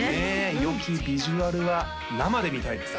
よきビジュアルは生で見たいですからね